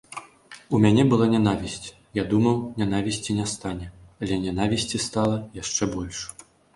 У мяне была нянавісць, я думаў, нянавісці не стане, але нянавісці стала яшчэ больш.